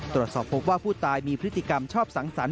ตรวจสอบพบว่าผู้ตายมีพฤติกรรมชอบสังสรรค